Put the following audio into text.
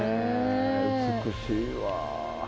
美しいわ。